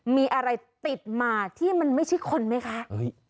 มีอะไรติดมาที่มันไม่ใช่คนไหมคะ